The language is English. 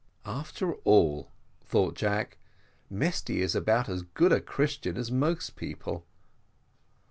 "After all," thought Jack, "Mesty is about as good a Christian as most people."